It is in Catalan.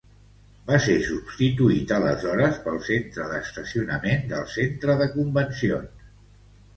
Va ser substituït aleshores pel centre d'estacionament del centre de convencions.